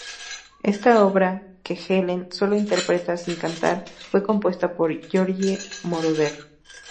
Esta obra, que Helen sólo interpreta, sin cantar, fue compuesta por Giorgio Moroder.